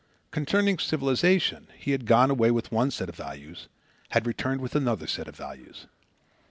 Concerning civilization, he had gone away with one set of values, had returned with another set of values.